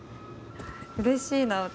うれしいな、私。